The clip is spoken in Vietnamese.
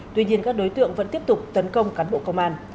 tuy nhiên các đối tượng vẫn tiếp tục tấn công cán bộ công an